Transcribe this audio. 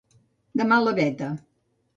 De mala veta.